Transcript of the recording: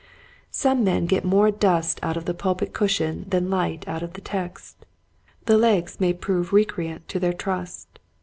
Some men get more dust out of the pulpit cushion than light out of the text. The legs may prove recreant to their trust.